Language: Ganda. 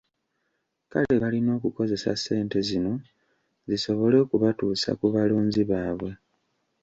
Kale balina okukozesa ssente zino zisobole okubatuusa ku balonzi baabwe.